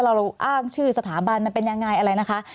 เราอ้างชื่อสถาบันมันเป็นยังไงอะไรนะคะ